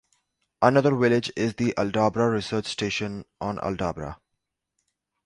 Another village is the Aldabra Research Station on Aldabra.